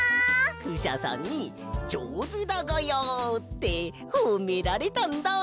クシャさんに「じょうずだがや」ってほめられたんだ！